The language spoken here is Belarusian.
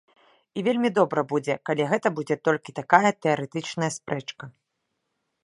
І вельмі добра будзе, калі гэта будзе толькі такая тэарэтычная спрэчка.